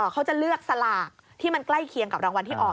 เขาจะเลือกสลากที่มันใกล้เคียงกับรางวัลที่ออก